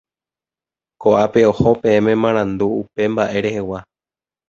Koʼápe oho peẽme marandu upe mbaʼe rehegua.